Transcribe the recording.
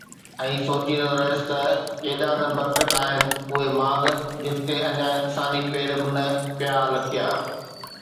۽ سوچيندو رهيس ته ڪيڏا نه برڪت آهن اهي ماڳ، جن تي اڃا انساني پير به نه پيا لڪيا